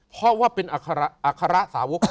เพราะว่าเป็นอัคระสาวก